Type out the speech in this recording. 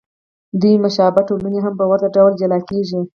دوې مشابه ټولنې هم په ورته ډول جلا کېږي.